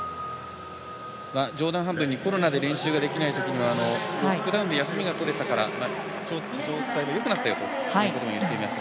冗談半分にコロナで練習できないときにはロックダウンで休みがとれたから状態がよくなったよと言っていました。